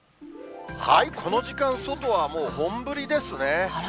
この時間、外はもう本降りですね。